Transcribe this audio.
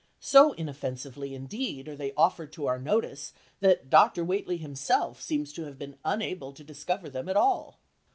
So inoffensively, indeed, are they offered to our notice, that Dr. Whately himself seems to have been unable to discover them at all.